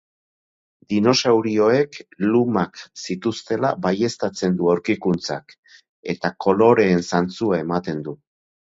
Dinosauroek lumak zituztela baieztatzen du aurkikuntzak, eta koloreen zantzua ematen du.